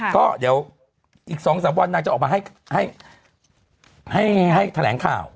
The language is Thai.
ก็เดี๋ยวอีก๒๓วันนางจะออกมาให้แถลงข่าว